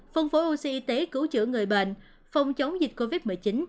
phân phối oxy y tế cứu chữa người bệnh phòng chống dịch covid một mươi chín